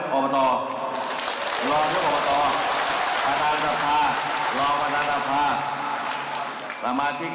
ลองตกอบตประตานับภาคลองประมาทธนภาค